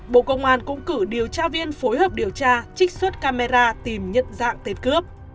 bộ công an cũng cử điều tra viên phối hợp điều tra trích xuất camera tìm nhận dạng tên cướp